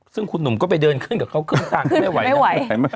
ซึ่งคุณหนุ่มก็ไปเดินขึ้นกับเขาขึ้นทางไม่ไหว